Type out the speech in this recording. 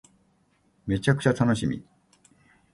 めちゃくちゃ楽しみ